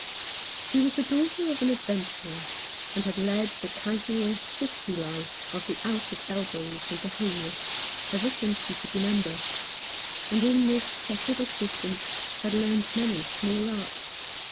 She was the daughter of an adventurer, and had led the casual, shifty life of the out at elbows and the homeless ever since she could remember ; and in this chequered existence had learnt many small arts.